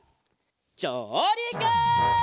じょうりく！